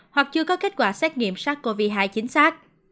hoặc chưa có kết quả xét nghiệm sars cov hai chính xác